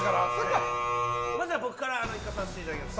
まずは僕から行かせていただきます。